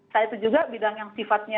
nah itu juga bidang yang sifatnya